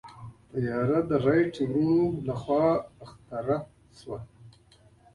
طیاره د رائټ وروڼو لخوا اختراع شوه.